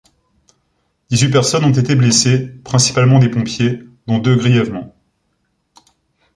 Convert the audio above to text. Dix-huit personnes ont été blessées, principalement des pompiers, dont deux grièvement.